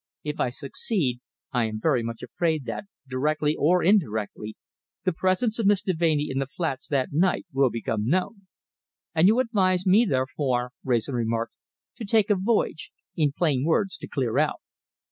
"If I succeed, I am very much afraid that, directly or indirectly, the presence of Miss Deveney in the flats that night will become known." "And you advise me, therefore," Wrayson remarked, "to take a voyage in plain words, to clear out."